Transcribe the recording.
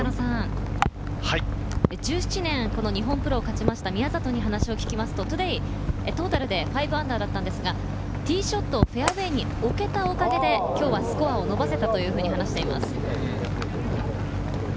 １７年、この日本プロを勝ちました宮里に話を聞くと、Ｔｏｄａｙトータルで−５だったんですが、ティーショット、フェアウエーに置けたおかげで今日はスコアを伸ばせたと話しています。